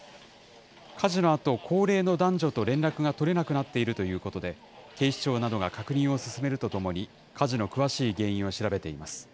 火事のあと、高齢の男女と連絡が取れなくなっているということで、警視庁などが確認を進めるとともに、火事の詳しい原因を調べています。